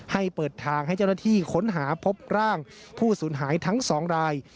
ให้เปิดทางให้เจ้าหน้าที่ค้นหาพบร่างผู้สูญหายทั้ง๒ราย